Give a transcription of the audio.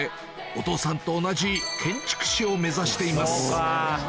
お父さんと同じ建築士を目指しています